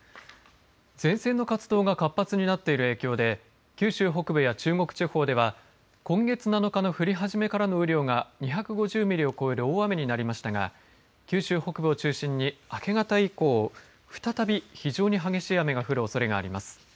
前線の活動が活発になっている影響で九州北部や中国地方では今月７日の降り始めからの雨量が２５０ミリを超える大雨になりましたが九州北部を中心に明け方以降再び非常に激しい雨が降るおそれがあります。